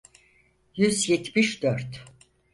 Yüz yetmiş dört.